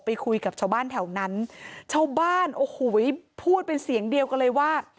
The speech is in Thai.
คุยกับชาวบ้านแถวนั้นชาวบ้านโอ้โหพูดเป็นเสียงเดียวกันเลยว่า